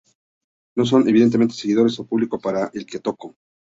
No son evidentemente seguidores o el público para el que toco.